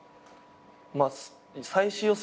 まあ最終予選。